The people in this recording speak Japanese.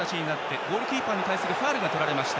ゴールキーパーに対するファウルをとられました。